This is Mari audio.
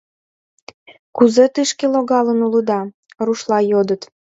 Кузе тышке логалын улыда? — рушла йодыт.